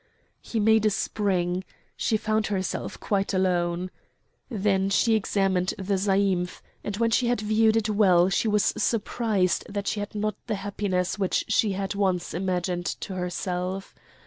He made a spring. She found herself quite alone. Then she examined the zaïmph; and when she had viewed it well she was surprised that she had not the happiness which she had once imagined to herself.